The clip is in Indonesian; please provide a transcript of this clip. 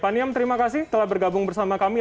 paniam terima kasih telah bergabung bersama kami